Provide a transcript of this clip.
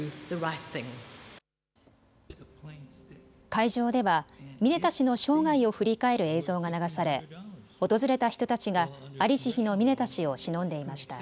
会場ではミネタ氏の生涯を振り返る映像が流され訪れた人たちが在りし日のミネタ氏をしのんでいました。